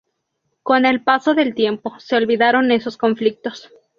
Con el paso del tiempo se olvidaron esos conflictos.